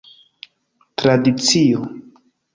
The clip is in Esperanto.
Tradicio.